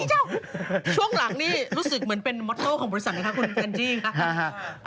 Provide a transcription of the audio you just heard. นี่เจ้าช่วงหลังนี่รู้สึกเหมือนเป็นโมโต้ของผู้โดยสารคุณกันจี้ค่ะ